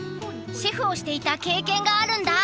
シェフをしていた経験があるんだ。